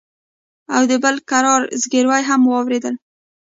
او د بل کرار زگيروي هم واورېدل.